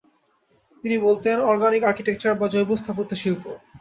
তিনি বলতেন “organic architecture” বা “জৈব স্থাপত্যশিল্প”।